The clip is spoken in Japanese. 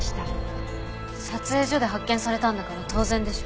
撮影所で発見されたんだから当然でしょ。